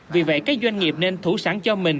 vì vậy các doanh nghiệp nên thủ sẵn cho mình